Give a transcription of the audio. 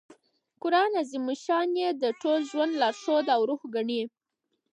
قران عظیم الشان ئې د ټول ژوند لارښود او روح ګڼي.